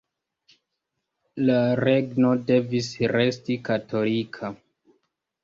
La „regno“ devis resti katolika.